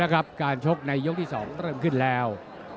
ครับการชกในยกที่๒ต้องเริ่มขึ้นแล้ว